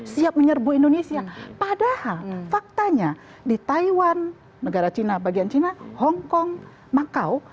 siap menyerbu indonesia padahal faktanya di taiwan negara china bagian cina hongkong makau